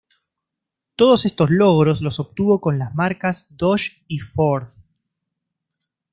Todos estos logros los obtuvo con las marcas Dodge y Ford.